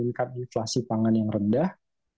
kita akan menginginkan inflasi pangan yang rendah